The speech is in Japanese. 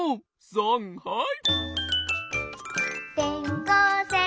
さんはい！